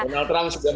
donald trump sudah